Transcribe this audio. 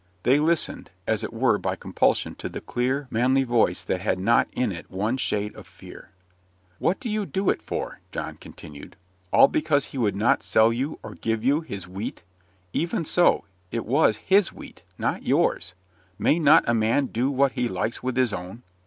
They listened, as it were by compulsion, to the clear, manly voice that had not in it one shade of fear. "What do you do it for?" John continued. "All because he would not sell you, or give you, his wheat. Even so it was HIS wheat, not yours. May not a man do what he likes with his own?"